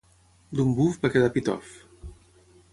D'un buf va quedar pitof.